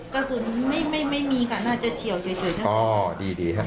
กระสุนไม่มีกระสุนอาจจะเฉียวเฉยนะ